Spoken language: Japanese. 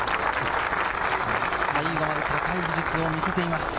最後まで高い技術を見せています。